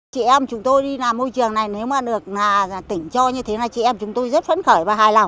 chị em chúng tôi đi làm môi trường này nếu mà được tỉnh cho như thế là chị em chúng tôi rất phấn khởi